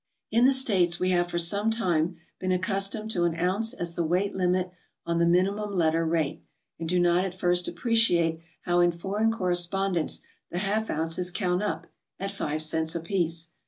In the States we have for some time been accustomed to an ounce as tbe weight limit on the minimum letter rate, and do not at first appreciate how in foreign correspondence the half ounces count up, at five cents apiece.